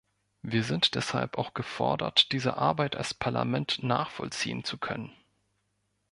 Wir sind deshalb auch gefordert, diese Arbeit als Parlament nachvollziehen zu können.